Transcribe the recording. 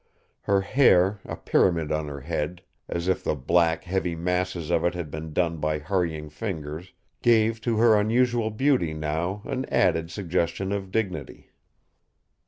Her hair, a pyramid on her head, as if the black, heavy masses of it had been done by hurrying fingers, gave to her unusual beauty now an added suggestion of dignity.